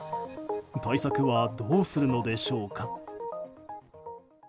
対策はどうするのでしょうか。